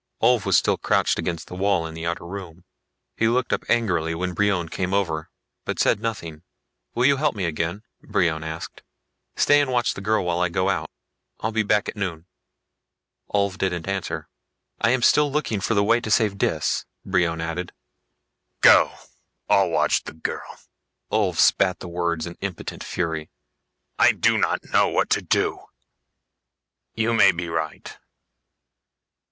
Ulv was still crouched against the wall in the outer room. He looked up angrily when Brion came over, but said nothing. "Will you help me again?" Brion asked. "Stay and watch the girl while I go out. I'll be back at noon." Ulv didn't answer. "I am still looking for the way to save Dis," Brion added. "Go I'll watch the girl!" Ulv spat words in impotent fury. "I do not know what to do. You may be right.